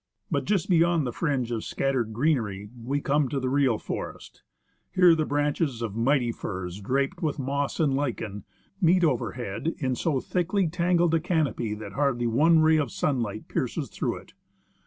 But just beyond the fringe of scattered greenery, we come to the real forest. Here the branches of mighty firs, draped with moss and lichen, meet overhead in so 72 THE MALASPINA GLACIER thickly tangled a canopy that hardly one ray of sunlight pierces through it.